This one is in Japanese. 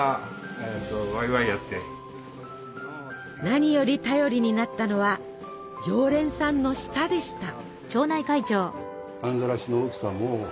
何より頼りになったのは常連さんの舌でした。